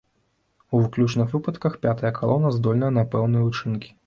У выключных выпадках пятая калона здольная на пэўныя ўчынкі.